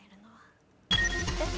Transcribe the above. えっ？